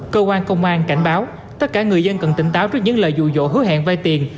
cơ quan công an cảnh báo tất cả người dân cần tỉnh táo trước những lời dụ dỗ hứa hẹn vai tiền